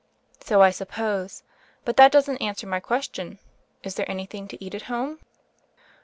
"So I suppose: but that doesn't answer my question. Is there anything to eat at home?"